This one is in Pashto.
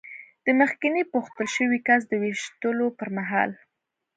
د مخکېني پوښتل شوي کس د وېشتلو پر مهال.